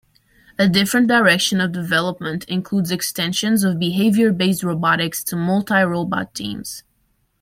A different direction of development includes extensions of behavior-based robotics to multi-robot teams.